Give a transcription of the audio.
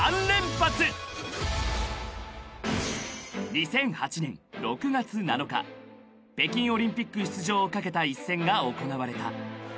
［２００８年６月７日北京オリンピック出場を懸けた１戦が行われた］